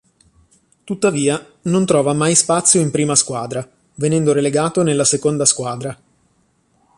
Tuttavia, non trova mai spazio in prima squadra venendo relegato nella seconda squadra.